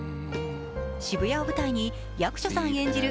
渋谷を舞台に役所さん演じる